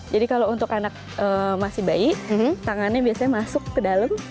jadi kalau untuk anak masih bayi tangannya biasanya masuk ke dalam